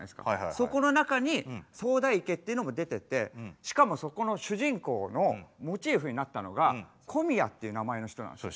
そこの中に池っていうのが出ててしかもそこの主人公のモチーフになったのが「小宮」っていう名前の人なんですよ。